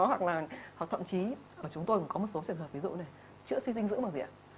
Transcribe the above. hoặc là thậm chí ở chúng tôi cũng có một số trường hợp ví dụ này chữa suy dinh dưỡng bằng gì ạ